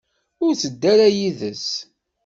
Ur tedda ara yid-s.